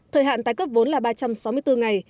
thời hạn tái cấp vốn là ba trăm sáu mươi bốn ngày